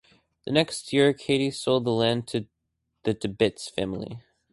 The next year Cady sold the land to the Tibbits family.